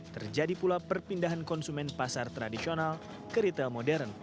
terjadi pula perpindahan konsumen pasar tradisional ke retail modern